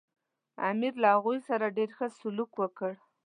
امیر له هغوی سره ډېر ښه سلوک وکړ.